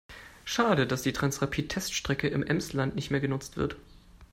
Schade, dass die Transrapid-Teststrecke im Emsland nicht mehr genutzt wird.